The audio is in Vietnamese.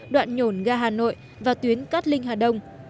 đoạn nhổn ga hà nội và tuyến cát linh hà đông